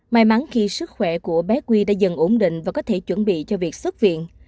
may mắn khi sức khỏe của bé quy đã dần ổn định và có thể chuẩn bị cho việc xuất viện